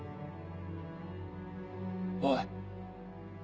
おい。